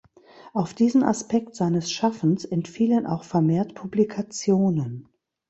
Auf diesen Aspekt seines Schaffens entfielen auch vermehrt Publikationen.